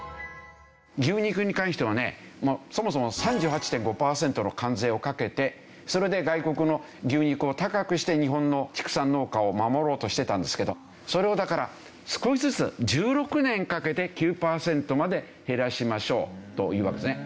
牛肉に関してはねそもそも３８．５パーセントの関税をかけてそれで外国の牛肉を高くして日本の畜産農家を守ろうとしてたんですけどそれをだから少しずつ１６年かけて９パーセントまで減らしましょうというわけですね。